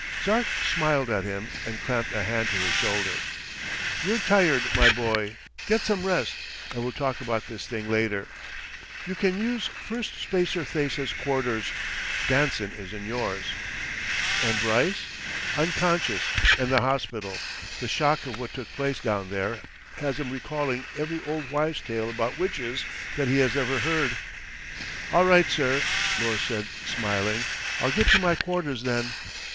Zark smiled at him and clamped a hand to his shoulder. "You're tired, my boy. Get some rest and we'll talk about this thing later. You can use Firstspacer Thesa's quarters. Danson is in yours." "And Brice?" "Unconscious. In the hospital. The shock of what took place down there has him recalling every old wives' tale about witches that he has ever heard." "All right, sir," Lors said smiling. "I'll get to my quarters, then.